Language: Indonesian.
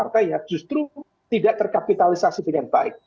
tidak terkapitalisasi dengan baik